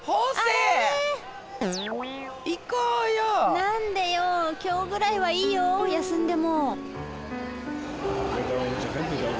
何でよ今日ぐらいはいいよ休んでも。